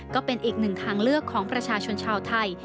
ก็เป็นอีกหนึ่งทางเลือกของประชาชนชาวไทย